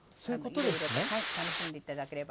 いろいろと楽しんでいただければ。